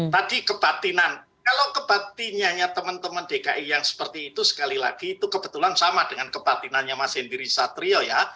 tadi kebatinan kalau kebatinannya teman teman dki yang seperti itu sekali lagi itu kebetulan sama dengan kebatinannya mas henry satrio ya